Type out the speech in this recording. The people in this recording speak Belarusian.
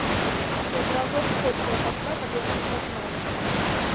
І адразу адскочыў ад акна, каб яго не пазналі.